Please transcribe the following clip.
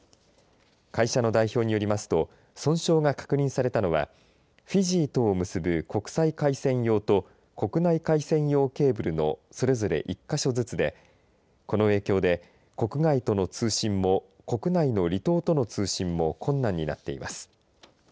会社の代表によりますと損傷が確認されたのはフィジーとを結ぶ国際回線用と国内回線用ケーブルのそれぞれ１か所ずつでこの影響で国外との通信も国内の離島との通信も困難になっています。